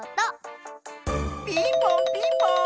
ピンポンピンポーン！